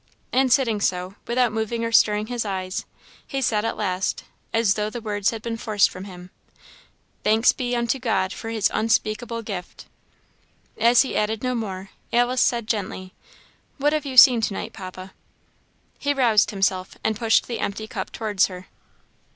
And sitting so, without moving or stirring his eyes, he said at last, as though the words had been forced from him, "Thanks be unto God for his unspeakable gift!" As he added no more, Alice said, gently, "What have you seen to night, Papa?" He roused himself, and pushed the empty cup towards her.